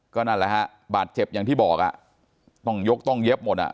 นั่นแหละฮะบาดเจ็บอย่างที่บอกอ่ะต้องยกต้องเย็บหมดอ่ะ